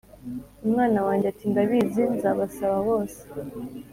umwana wanjye ati: "ndabizi." "nzabasaba bose!"